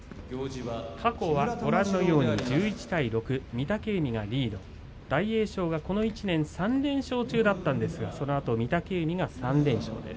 過去はご覧のように１１対６御嶽海が、リード大栄翔はこの１年３連勝中だったんですがそのあと御嶽海が３連勝です。